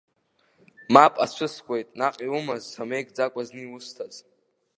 Мап ацәыскуеит, наҟ иумаз самеигӡакәа зны иусҭаз.